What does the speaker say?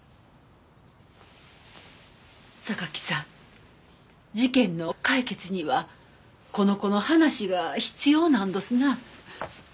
榊さん事件の解決にはこの子の話が必要なんどすな？